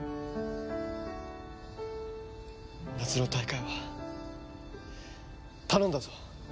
夏の大会は頼んだぞ！